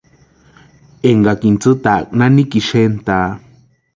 Énkakini tsïtaaka nanikini xentaa.